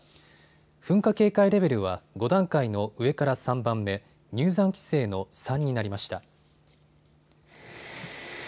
噴火警戒レベルは５段階の上から３番目、入山規制の３になりました。